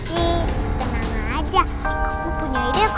nih tenang aja aku punya ide kok